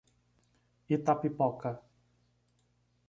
Itapipoca